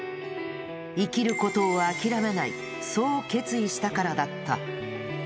生きることを諦めない、そう決意したからだった。